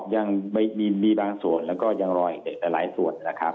ยังบางส่วนยังรออย่างอีกหลายส่วนนะครับ